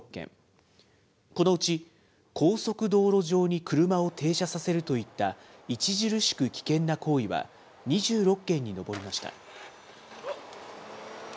このうち、高速道路上に車を停車させるといった著しく危険な行為は２６件に上りました。